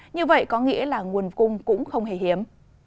như vậy có nghĩa là nguồn cung cũng không hề hiếm